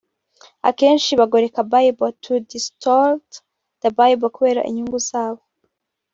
Akenshi bagoreka Bible (to distort the Bible) kubera inyungu zabo